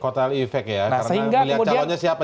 kotel efek ya karena melihat calonnya siapa